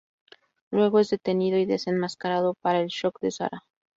Luego es detenido y desenmascarado, para el shock de Sara.